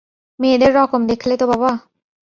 মেয়েদের রকম দেখলে তো বাবা!